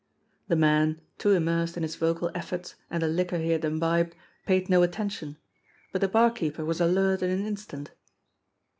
The man, too immersed in his vocal efforts and the liquor he had imbibed, paid no attention; but the barkeeper was alert in an instant.